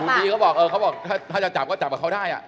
คุณอีเขาบอกเออเขาบอกถ้าจะจับก็จับกับเขาได้อ่ะ